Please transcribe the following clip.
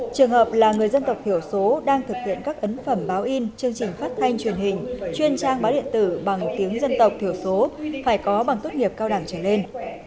trường hợp là người dân tộc thiểu số đang thực hiện các ấn phẩm báo in chương trình phát thanh truyền hình chuyên trang báo điện tử bằng tiếng dân tộc thiểu số phải có bằng tốt nghiệp cao đẳng trở lên